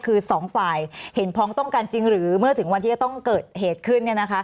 คือสองฝ่ายเห็นพ้องต้องกันจริงหรือเมื่อถึงวันที่จะต้องเกิดเหตุขึ้น